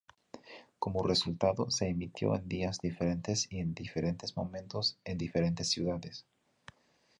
Como resultado, se emitió en días diferentes y en diferentes momentos en diferentes ciudades.